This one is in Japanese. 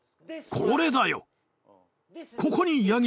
これだよ。